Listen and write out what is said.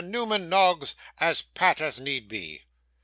Newman Noggs, as pat as need be.